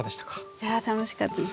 いや楽しかったです。